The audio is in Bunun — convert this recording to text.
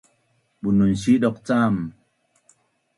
Bunun siduq cam